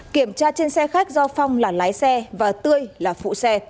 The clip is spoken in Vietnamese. kiểm tra trên xe khách do phong là lái xe và tươi là phụ xe